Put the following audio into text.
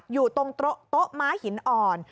อยู่ตรงโต๊ะม้าหินอ่อน